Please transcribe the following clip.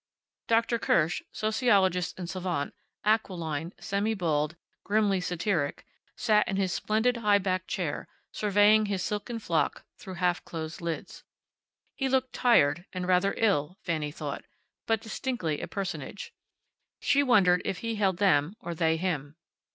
Dr. Kirsch, sociologist and savant, aquiline, semi bald, grimly satiric, sat in his splendid, high backed chair, surveying his silken flock through half closed lids. He looked tired, and rather ill, Fanny thought, but distinctly a personage. She wondered if he held them or they him.